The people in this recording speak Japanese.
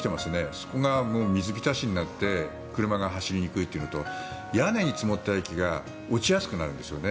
そこが水浸しになって車が走りにくいというのと屋根に積もった雪が落ちやすくなるんですよね。